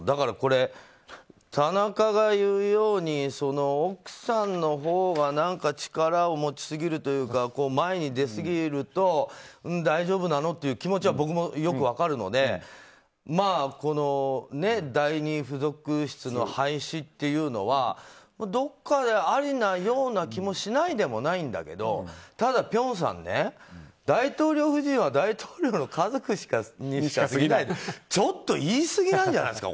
田中が言うように奥さんのほうが力を持ちすぎるというか前に出すぎると大丈夫なのっていう気持ちはよく分かるのでこの第２付属室の廃止というのはどこか、ありなような気がしないでもないんだけどただ辺さん、大統領夫人は大統領の家族にしか過ぎないってちょっと言い過ぎなんじゃないですか。